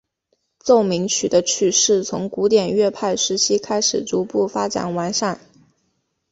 奏鸣曲的曲式从古典乐派时期开始逐步发展完善。